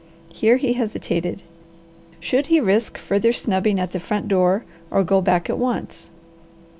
Here he hesitated. Should he risk further snubbing at the front door or go back at once.